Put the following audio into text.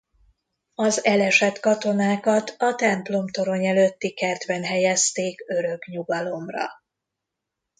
Az elesett katonákat a templomtorony előtti kertben helyezték örök nyugalomra.